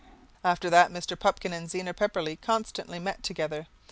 After that Mr. Pupkin and Zena Pepperleigh constantly met together.